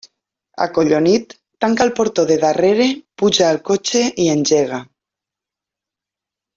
Acollonit, tanca el portó de darrere, puja al cotxe i engega.